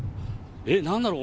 えっ、なんだろう？